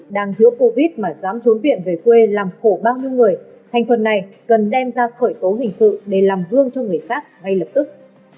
đang chữa covid mà dám trốn viện về quê làm khổ bao nhiêu người thành phần này cần đem ra khởi tố hình sự để làm gương cho người khác ngay lập tức